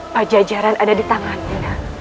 pajajaran ada di tanganmu